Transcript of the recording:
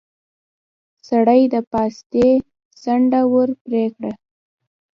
سړي د پاستي څنډه ور پرې کړه.